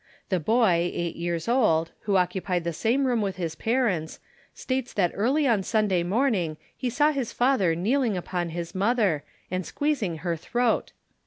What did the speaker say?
The boy, eight years old, who occupied the same room with his parents, states that early on Sunday morning he saw his father kneeling upon his mother, and squeezing her throat.